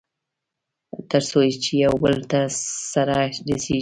تر څو چې يوبل ته سره رسېږي.